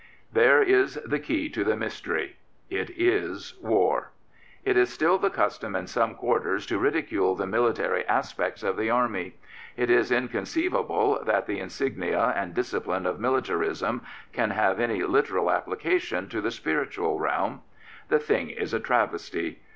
There is the key to the mystery. It is war. It is still the custom in some quarters to ridicule the military aspects of the Army. It is inconceivable that the insignia and discipline of militarism can have any literal applica tion to the spiritual realm. The thing is a travesty.